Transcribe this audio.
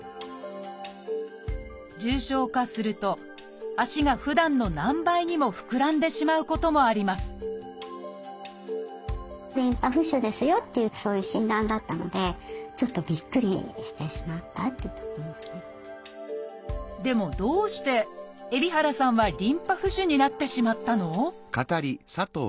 重症化すると足がふだんの何倍にも膨らんでしまうこともありますでもどうして海老原さんはリンパ浮腫になってしまったの？